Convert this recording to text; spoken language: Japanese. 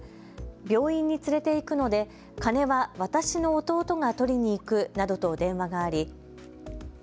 病院に連れて行くので金は私の弟が取りに行くなどと電話があり。